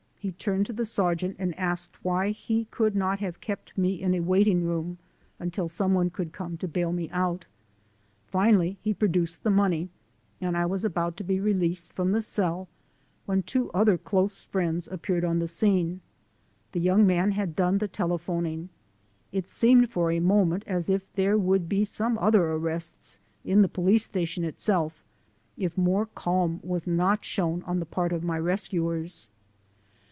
He turned to the sergeant and asked why he could not have kept me in a waiting room until some one could come to bail me out. Finally he produced the money and I was about to be re leased from the cell, when two other close friends appeared on the scene. The young man had done the telephoning. It seemed for a moment as if there would be some other arrests, in the police station itself, if more calm was not shown on the part of my rescuers.